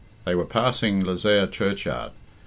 They were passing Lezayre churchyard.